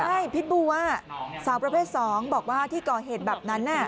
ใช่พิษบูสาวประเภท๒บอกว่าที่ก่อเหตุแบบนั้น